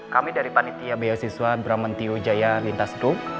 kami dari panitia biasiswa bramantio jaya lintas duk